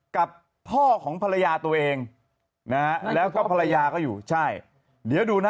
กับพ่อของภรรยาตัวเองนะฮะแล้วก็ภรรยาก็อยู่ใช่เดี๋ยวดูนะ